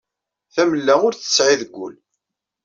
Tamella ur tt-tesɛi deg ul.